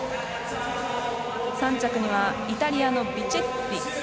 ３着にはイタリアのビチェッリ。